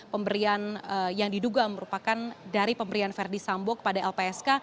pemberian yang diduga merupakan dari pemberian verdi sambo kepada lpsk